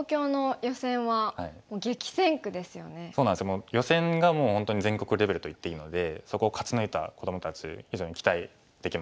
もう予選がもう本当に全国レベルといっていいのでそこを勝ち抜いた子どもたち非常に期待できますね。